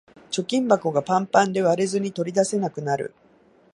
貯金箱がパンパンで割れずに取り出せなくなる